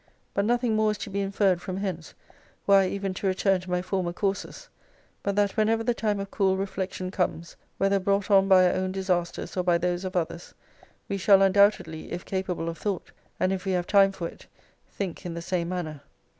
But nothing more is to be inferred from hence (were I even to return to my former courses) but that whenever the time of cool reflection comes, whether brought on by our own disasters, or by those of others, we shall undoubtedly, if capable of thought, and if we have time for it, think in the same manner.